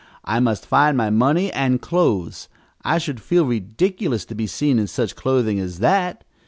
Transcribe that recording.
"I must find my money and clothes. I should feel ridiculous to be seen in such clothing as that.